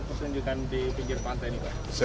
pertunjukan di pinggir pantai ini pak